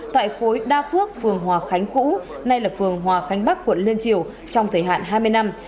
tại khối đa phước phường hòa khánh cũ nay là phường hòa khánh bắc quận liên triều trong thời hạn hai mươi năm